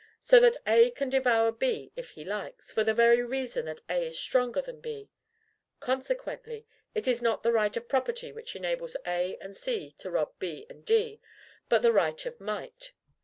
So that A can devour B if he likes, for the very reason that A is stronger than B. Consequently, it is not the right of property which enables A and C to rob B and D, but the right of might.